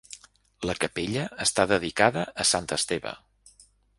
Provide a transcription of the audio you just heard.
La capella està dedicada a Sant Esteve.